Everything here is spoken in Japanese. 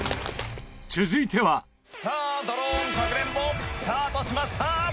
続いては清水：「ドローンかくれんぼスタートしました！」